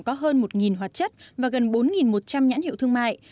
có hơn một hoạt chất và gần bốn một trăm linh nhãn hiệu thương mại